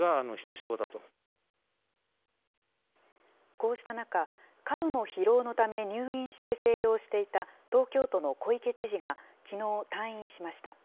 こうした中、過度の疲労のため、入院して静養していた東京都の小池知事が、きのう、退院しました。